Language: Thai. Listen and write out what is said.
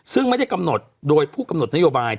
ซึ่งไม่ได้กำหนดโดยผู้กำหนดนโยบาย